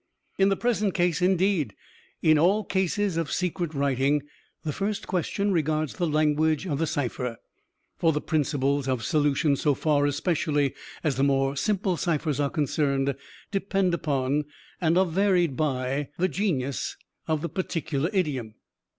"In the present case indeed, in all cases of secret writing the first question regards the language of the cipher; for the principles of solution, so far, especially, as the more simple ciphers are concerned, depend upon, and are varied by, the genius of the particular idiom.